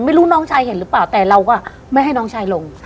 ไม่รู้น้องชายเห็นหรือเปล่าแต่เราก็ไม่ให้น้องชายลง